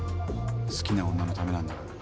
好きな女のためなんだから。